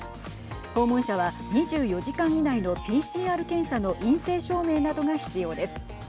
訪問者は２４時間以内のＰＣＲ検査の陰性証明などが必要です。